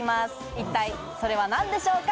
一体それは何でしょうか？